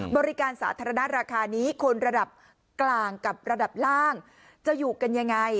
บริการสาธารณะราคานี้คนระดับกลางกับระดับล่างจะอยู่กันยังไง